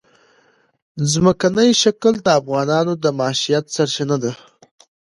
ځمکنی شکل د افغانانو د معیشت سرچینه ده.